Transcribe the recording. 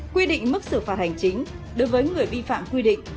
quy định mức xử phạt hành chính đối với người vi phạm quy định